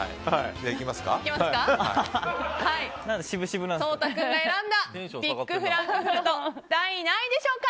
颯太君が選んだビックフランクフルト第何位でしょうか。